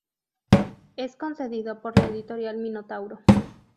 Es concedido por la editorial Minotauro.